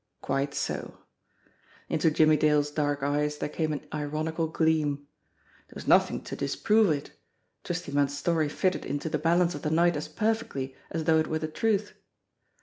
Quite so! Into Jimmie Dale's dark eyes there came an ironical gleam. There was nothing to disprove it. Twisty Munn's story fitted into the balance of the night as perfectly as though it were the truth!